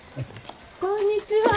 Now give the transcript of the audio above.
こんにちは！